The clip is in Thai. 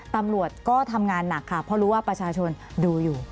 ตำรวจก็ทำงานหนักค่ะเพราะรู้ว่าประชาชนดูอยู่